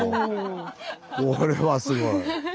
これはすごい。